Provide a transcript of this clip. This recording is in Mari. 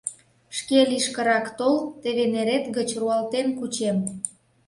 — Шке лишкырак тол, теве нерет гыч руалтен кучем!..